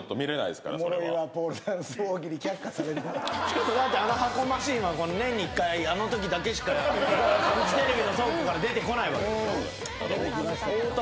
しかもあの箱マシンは年に１回あのときだけしかフジテレビの倉庫から出てこないわけでしょ。